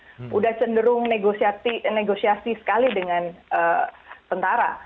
sudah cenderung negosiasi sekali dengan tentara